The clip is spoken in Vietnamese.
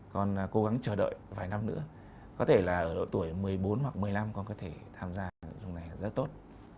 con cố gắng chờ đợi vài năm nữa có thể là ở tuổi một mươi bốn hoặc một mươi năm con có thể tham gia dùng này rất tốt